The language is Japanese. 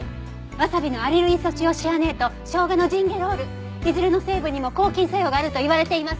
ワサビのアリルイソチオシアネート生姜のジンゲロールいずれの成分にも抗菌作用があると言われています。